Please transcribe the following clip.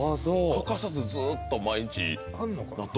欠かさずずっと毎日納豆。